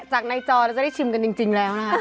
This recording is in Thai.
จากในจอจะได้ชิมกันจริงแล้ว